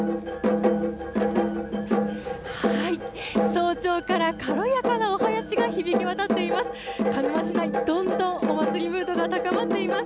早朝から軽やかなお囃子が響き渡っています。